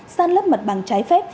xăng lấp mặt bằng trái phép